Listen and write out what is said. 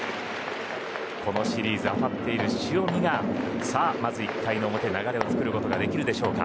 このシリーズ当たっている塩見がまず１回の表流れを作ることができるか。